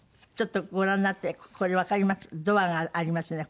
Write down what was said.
ちょっとご覧になってこれわかります？